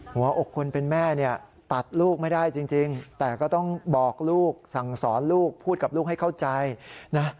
หัวอกคนเป็นแม่เนี่ยตัดลูกไม่ได้จริงแต่ก็ต้องบอกลูกสั่งสอนลูกพูดกับลูกให้เข้าใจนะ